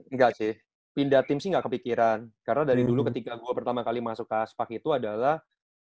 enggak sih pindah tim sih enggak kepikiran karena dari dulu ketika gue pertama kali masuk ke aspak itu adalah